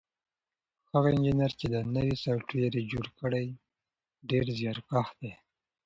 هغه انجنیر چې دا نوی سافټویر یې جوړ کړی ډېر زیارکښ دی.